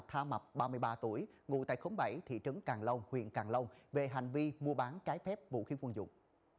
tha mập ba mươi ba tuổi ngụ tại khóng bảy thị trấn càng long huyện càng long về hành vi mua bán trái phép vũ khí quân dụng